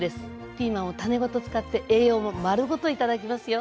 ピーマンを種ごと使って栄養も丸ごと頂きますよ。